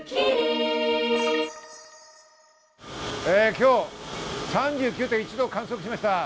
今日、３９．１度を観測しました。